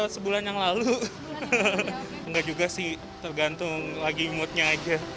sebulan yang lalu enggak juga sih tergantung lagi moodnya aja